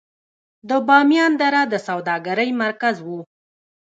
د بامیان دره د سوداګرۍ مرکز و